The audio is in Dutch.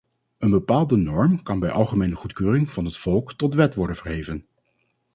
Een bepaalde norm kan bij algemene goedkeuring van het volk tot wet worden verheven.